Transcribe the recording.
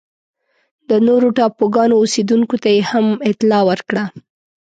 د نورو ټاپوګانو اوسېدونکو ته یې هم اطلاع ورکړه.